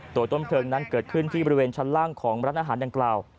ต้นเพลิงนั้นเกิดขึ้นที่บริเวณชั้นล่างของร้านอาหารดังกล่าว